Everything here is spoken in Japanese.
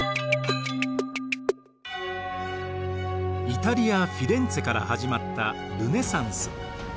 イタリア・フィレンツェから始まったルネサンス。